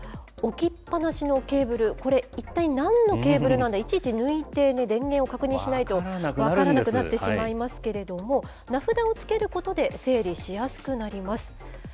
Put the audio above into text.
置きっぱなしのケーブル、これ、一体なんのケーブルなのか、いちいち抜いて、電源を確認しないと分からなくなってしまいますけれども、名札を付けることで整理しやすくなります。